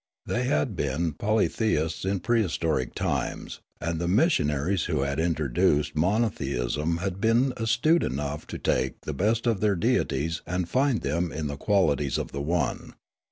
They had been poly theists in prehistoric times, and the missionaries who had introduced monotheism had been astute enough to take the best of their deities and find them in the qual ities of the one.